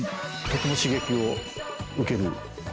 とても刺激を受ける存在。